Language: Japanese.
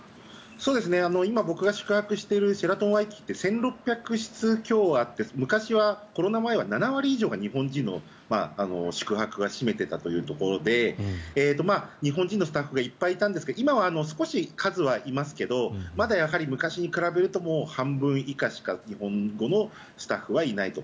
今、僕が宿泊しているシェラトン・ワイキキって１６００室近くあって昔はコロナ前は７割以上が日本人の宿泊が占めていたというところで日本人のスタッフがいっぱいいたんですが今は少し数はいますけどまだ昔に比べると半分以下しか日本語のスタッフはいないと。